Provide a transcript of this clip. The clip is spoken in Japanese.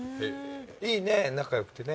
いいね仲よくてね。